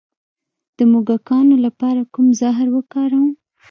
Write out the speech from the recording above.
د موږکانو لپاره کوم زهر وکاروم؟